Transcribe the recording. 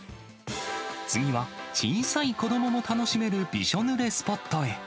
次は、小さい子どもも楽しめるびしょぬれスポットへ。